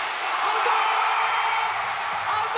アウト！